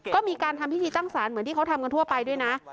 ก็มีการทำพิธีตั้งสารเหมือนที่เขาทำกันทั่วไปด้วยนะ